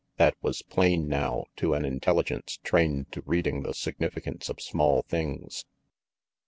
That was plain now to an intelligence trained to reading the significance of small things.